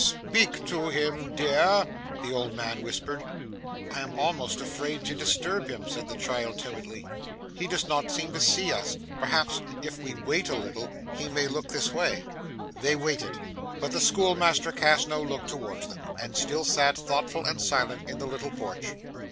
'Speak to him, dear,' the old man whispered. 'I am almost afraid to disturb him,' said the child timidly. 'He does not seem to see us. Perhaps if we wait a little, he may look this way.' They waited, but the schoolmaster cast no look towards them, and still sat, thoughtful and silent, in the little porch.